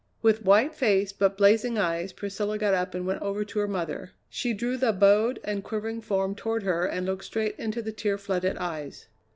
With white face but blazing eyes Priscilla got up and went over to her mother. She drew the bowed and quivering form toward her and looked straight into the tear flooded eyes.